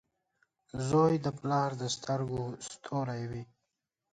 • زوی د پلار د سترګو ستوری وي.